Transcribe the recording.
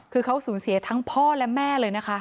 คือเขาสูญเสียทั้งพ่อและแม่เลยนะคะ